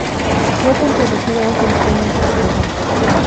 Ya se han producido dos ediciones de este programa.